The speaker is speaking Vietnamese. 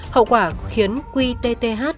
hậu quả khiến quy tth